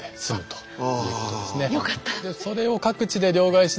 よかった！